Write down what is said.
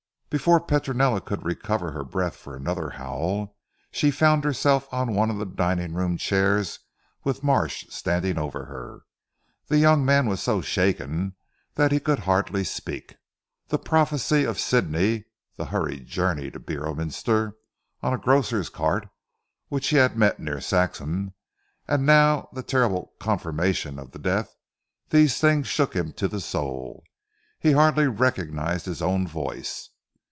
Before Petronella could recover her breath for another howl, she found herself on one of the dining room chairs with Marsh standing over her. The young man was so shaken that he could hardly speak. The prophecy of Sidney, the hurried journey to Beorminster on a grocer's cart which he had met near Saxham, and now the terrible confirmation of the death; these things shook him to the soul. He hardly recognised his own voice.